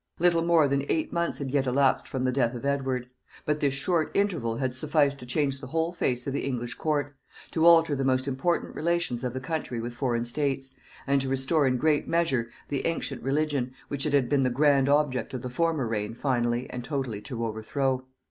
Little more than eight months had yet elapsed from the death of Edward; but this short interval had sufficed to change the whole face of the English court; to alter the most important relations of the country with foreign states; and to restore in great measure the ancient religion, which it had been the grand object of the former reign finally and totally to overthrow.